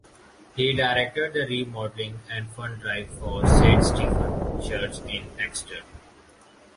He directed the Remodeling and Fund Drive for Saint Stephen Church in Exter.